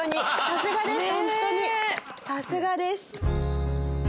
さすがです。